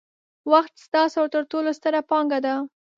وخت ستاسو ترټولو ستره پانګه ده.